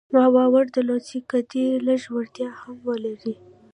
ما باور درلود چې که دی لږ وړتيا هم ولري.